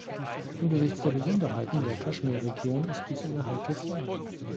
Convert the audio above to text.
Angesichts der Besonderheiten der Kaschmir-Region ist dies eine heikle Frage.